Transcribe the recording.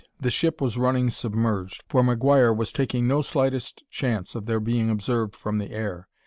The ship was running submerged, for McGuire was taking no slightest chance of their being observed from the air.